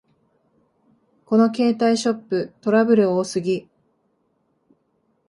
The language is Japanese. この携帯ショップ、トラブル多すぎ